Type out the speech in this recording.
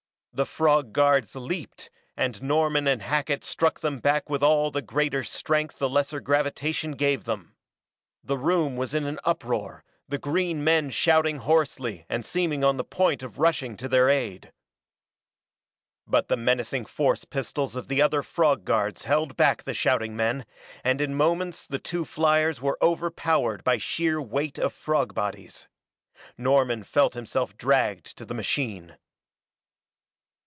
The frog guards leaped, and Norman and Hackett struck them back with all the greater strength the lesser gravitation gave them. The room was in an uproar, the green men shouting hoarsely and seeming on the point of rushing to their aid. But the menacing force pistols of the other frog guards held back the shouting men and in moments the two fliers were overpowered by sheer weight of frog bodies. Norman felt himself dragged to the machine.